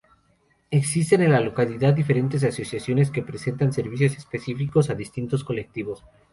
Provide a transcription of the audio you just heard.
Existen en la localidad diferentes asociaciones que prestan servicios específicos a distintos colectivos.